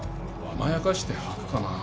甘やかして吐くかな？